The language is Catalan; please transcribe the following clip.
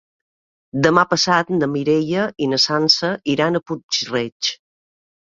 Demà passat na Mireia i na Sança iran a Puig-reig.